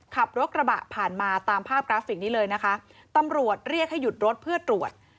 ขับรถกระบะผ่านมาตามภาพกราฟิกนี้เลยนะคะตำรวจเรียกให้หยุดรถเพื่อตรวจ